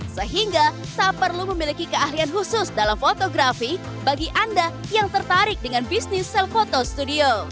sehingga tak perlu memiliki keahlian khusus dalam fotografi bagi anda yang tertarik dengan bisnis sel foto studio